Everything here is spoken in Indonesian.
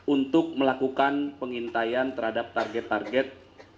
untuk melakukan pengintaian terhadap target target